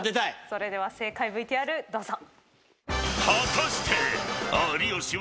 それでは正解ＶＴＲどうぞ。